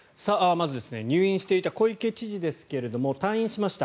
まず、入院していた小池知事ですが退院しました。